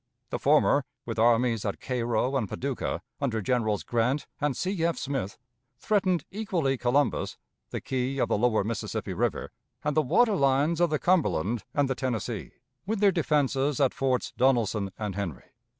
The former, with armies at Cairo and Paducah, under Generals Grant and C. F. Smith, threatened equally Columbus, the key of the lower Mississippi River, and the water lines of the Cumberland and the Tennessee, with their defenses at Forts Donelson and Henry.